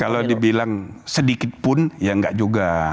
kalau dibilang sedikitpun ya enggak juga